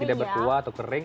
tidak berkuah atau kering